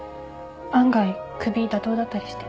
案外クビ妥当だったりして。